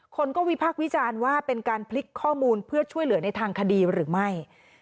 คนก็วิพากษ์วิจารณ์ว่าเป็นการพลิกข้อมูลเพื่อช่วยเหลือในทางคดีหรือไม่